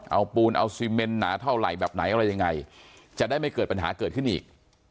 เอาปูนเอาซีเมนหนาเท่าไหร่แบบไหนอะไรยังไงจะได้ไม่เกิดปัญหาเกิดขึ้นอีก